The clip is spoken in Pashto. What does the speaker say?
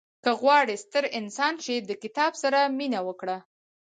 • که غواړې ستر انسان شې، د کتاب سره مینه وکړه.